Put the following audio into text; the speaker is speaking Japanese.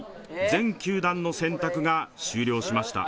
全球団の選択が終了しました。